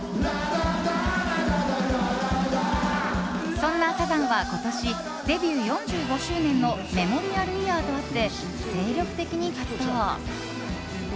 そんなサザンは今年デビュー４５周年のメモリアルイヤーとあって精力的に活動。